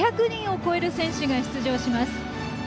２００人を超える選手が出場します。